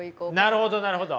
なるほどなるほど。